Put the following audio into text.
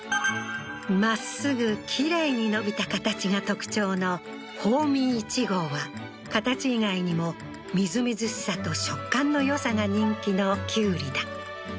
まっすぐきれいに伸びた形が特徴の豊美１号は形以外にも瑞々しさと食感の良さが人気のきゅうりだ